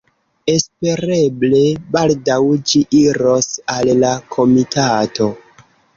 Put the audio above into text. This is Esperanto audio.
Espereble baldaŭ ĝi iros al la komitato.